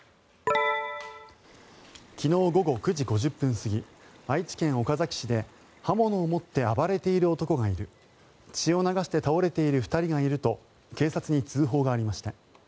昨日午後９時５０分過ぎ愛知県岡崎市で刃物を持って暴れている男がいる血を流して倒れている２人がいると警察に通報がありました。